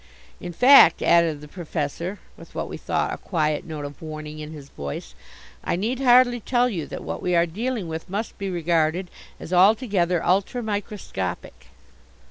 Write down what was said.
"In fact," added the Professor, with what we thought a quiet note of warning in his voice, "I need hardly tell you that what we are dealing with must be regarded as altogether ultramicroscopic."